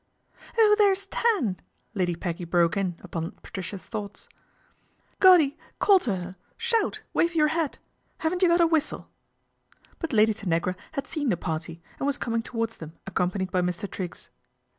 " Oh, there's Tan !" Lady Peggy broke in upo: Patricia's thoughts " Goddy, call to her, shoul wave your hat. Haven't you got a whistle ?" But Lady Tanagra had seen the party, an was coming towards them accompanied by Mi Triggs.